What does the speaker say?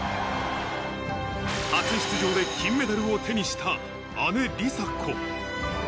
初出場で金メダルを手にした、姉、梨紗子。